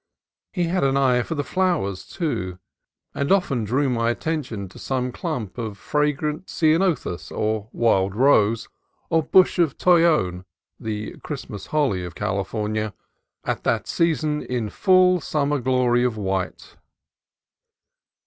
He had an eye for the flowers, too, and often drew my attention to some clump of fragrant ceanothus or wild rose, or bush of tollon (the Christmas holly of California), at that season in full summer glory of white.